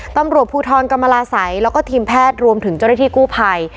ตำรวจภูทรกรรมลาศัยแล้วก็ทีมแพทย์รวมถึงเจ้าหน้าที่กู้ภัย